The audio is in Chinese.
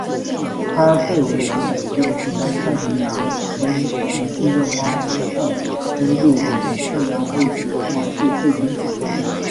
他最为人所知的是将太平洋中深层地震发生的深度与震央位置关系绘制成图。